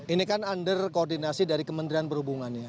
ini kan under koordinasi dari kementerian perhubungan ya